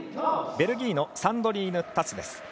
ベルギーのサンドリーヌ・タス。